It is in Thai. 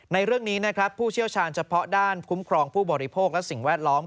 ในเรื่องนี้นะครับผู้เชี่ยวชาญเฉพาะด้านคุ้มครองผู้บริโภคและสิ่งแวดล้อม